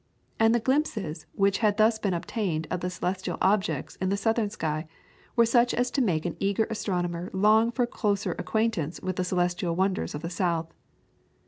And the glimpses which had thus been obtained of the celestial objects in the southern sky, were such as to make an eager astronomer long for a closer acquaintance with the celestial wonders of the south.